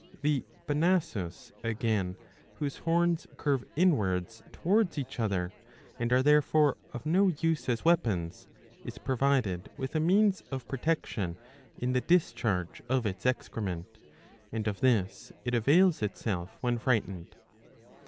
The Bonasus again, whose horns curve inwards towards each other [and are therefore of no use as weapons], is provided with a means of protection in the discharge of its excrement ; and of this it avails itself when frightened.